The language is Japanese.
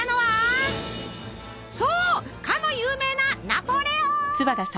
そうかの有名なナポレオン！